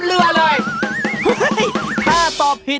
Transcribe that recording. อร่อยไหม